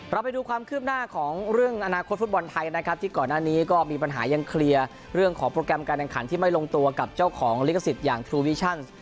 ไปดูความคืบหน้าของเรื่องอนาคตฟุตบอลไทยนะครับที่ก่อนหน้านี้ก็มีปัญหายังเคลียร์เรื่องของโปรแกรมการแข่งขันที่ไม่ลงตัวกับเจ้าของลิขสิทธิ์อย่างทรูวิชั่น